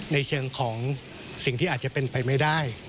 ในเชิงของสิ่งที่อาจจะเป็นไปไม่ได้